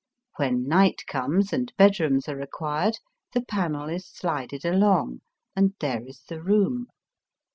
When night comes and bedrooms are required, the panel is slided along, and there is the room.